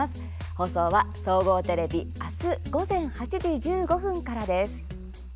放送は、総合テレビ明日午前８時１５分からです。